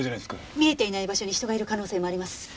見えていない場所に人がいる可能性もあります。